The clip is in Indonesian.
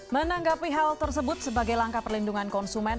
menanggapi hal tersebut sebagai langkah perlindungan konsumen